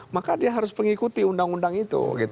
maka dia harus mengikuti undang undang itu